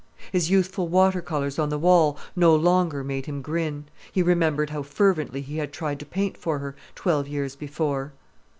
His youthful water colours on the wall no longer made him grin; he remembered how fervently he had tried to paint for her, twelve years before.